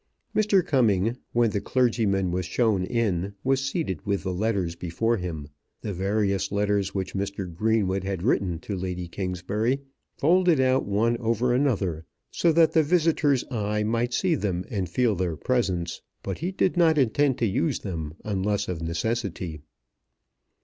Mr. Cumming, when the clergyman was shown in, was seated with the letters before him, the various letters which Mr. Greenwood had written to Lady Kingsbury, folded out one over another, so that the visitor's eye might see them and feel their presence; but he did not intend to use them unless of necessity.